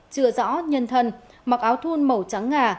chưa rõ nhân thân mặc áo thun màu trắng ngà